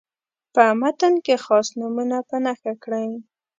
په متن کې خاص نومونه په نښه کړئ.